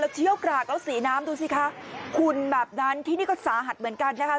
เชี่ยวกรากแล้วสีน้ำดูสิคะคุณแบบนั้นที่นี่ก็สาหัสเหมือนกันนะคะ